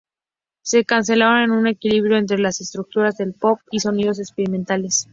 Se centraron en un equilibrio entre las estructuras del pop y sonidos experimentales.